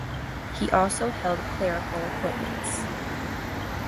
He also held clerical appointments.